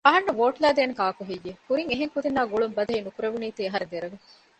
އަހަންނަށް ވޯޓް ލައިދޭނީ ކާކުހެއްޔެވެ؟ ކުރިން އެހެން ކުދިންނާ ގުޅުން ބަދަހި ނުކުރެވުނީތީ އަހަރެން ދެރަވި